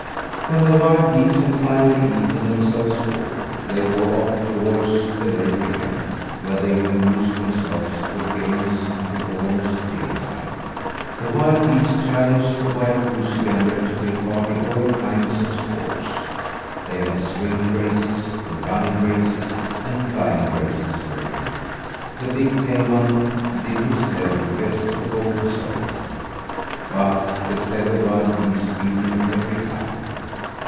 When the wild geese had finally eaten themselves full, they bore off toward the lake again, where they amused themselves with games until almost dinner time. The wild geese challenged the white goosey gander to take part in all kinds of sports. They had swimming races, running races, and flying races with him. The big tame one did his level best to hold his own, but the clever wild geese beat him every time.